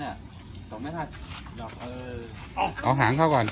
คราวนี้ต้องให้โดนหวยแล้วน่ะโอ้โหดูปากนี่